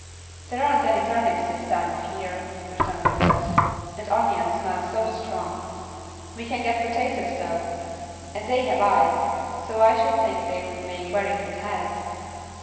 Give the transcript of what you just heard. "There aren't any turnips this time of year," returned Dimple, "and onions smell so strong. We can get potatoes, though, and they have eyes, so I should think they would make very good heads."